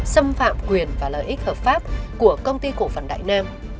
xâm phạm quyền và lợi ích hợp pháp của công ty cổ phần đại nam